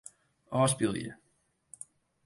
Ofspylje.